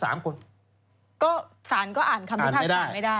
สารก็อ่านคำพิพากษาไม่ได้